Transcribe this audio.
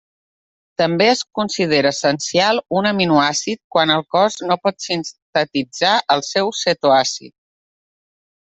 També es considera essencial un aminoàcid quan el cos no pot sintetitzar el seu cetoàcid.